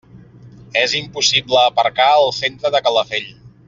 És impossible aparcar al centre de Calafell.